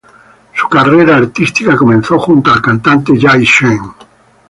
Su carrera artística comenzó junto al cantante Jay Sean.